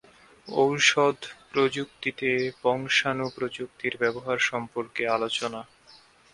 ঔষধ প্রযুক্তিতে বংশাণু প্রযুক্তির ব্যবহার সম্পর্কে আলোচনা।